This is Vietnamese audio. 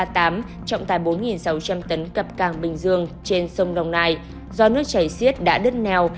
trọng tài bốn sáu trăm linh tấn cập cảng bình dương trên sông đồng nai do nước chảy xiết đã đứt neo